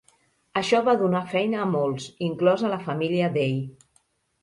Això va donar feina a molts, inclosa la família Day.